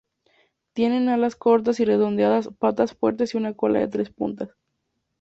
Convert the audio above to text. Tienen alas cortas y redondeadas, patas fuertes y una cola de tres puntas.